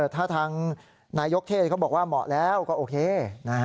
ถ้าทางนายกเทศเขาบอกว่าเหมาะแล้วก็โอเคนะฮะ